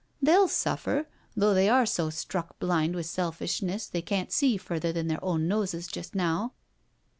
They'll suffer, though they are so struck blind wi' selfishness they can't see further than their own noses jest now."